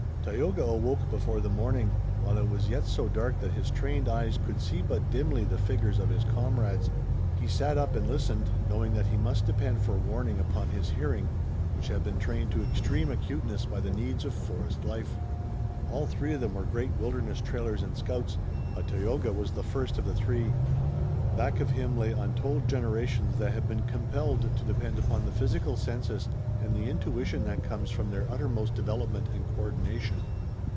Tayoga awoke before the morning, while it was yet so dark that his trained eyes could see but dimly the figures of his comrades. He sat up and listened, knowing that he must depend for warning upon his hearing, which had been trained to extreme acuteness by the needs of forest life. All three of them were great wilderness trailers and scouts, but Tayoga was the first of the three. Back of him lay untold generations that had been compelled to depend upon the physical senses and the intuition that comes from their uttermost development and co ordination.